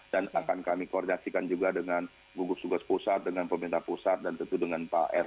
dan akan kami koordinasikan juga dengan gugus gugus pusat dengan pemerintah pusat dan tentu dengan pak erlangga hartarto